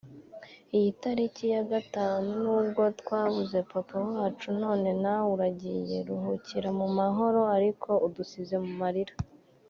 Iyi tariki ya Gatanu nibwo twabuze papa wacu none nawe uragiye […] Ruhukira mu mahoro ariko udusize mu marira